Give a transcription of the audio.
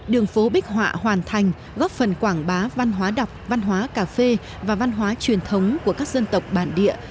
đường phố bích họa hoàn thành góp phần quảng bá văn hóa đọc văn hóa cà phê và văn hóa truyền thống của các dân tộc bản địa